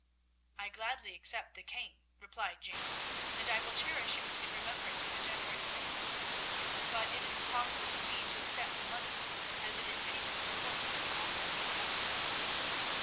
"I gladly accept the cane," replied James, "and I will cherish it in remembrance of a generous man; but it is impossible for me to accept the money, as it is payment for wood that belongs to the Count."